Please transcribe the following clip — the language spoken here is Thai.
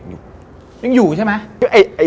ยังอยู่ใช่มั้ย